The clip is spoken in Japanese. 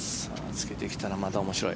つけてきたらまた面白い。